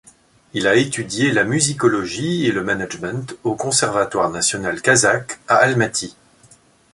Il a étudié la musicologie et le management au Conservatoire national kazakh à Almaty.